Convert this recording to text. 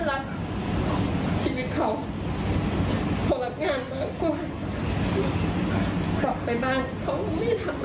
ต่อไปบ้านเขาไม่ได้ทำอะไร